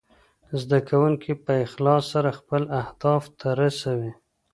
زده کونکي په اخلاص سره خپل اهداف ته ورسوي.